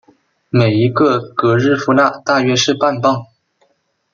每一个格日夫纳大约是半磅。